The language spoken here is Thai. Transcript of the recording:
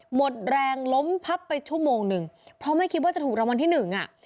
หมดแรงล้มพับไปชั่วโมงหนึ่งเพราะไม่คิดว่าจะถูกรางวัลที่หนึ่งอ่ะ